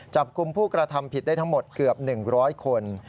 จับกลุ่มผู้กระทำผิดได้ทั้งหมดเกือบ๑๐๐คน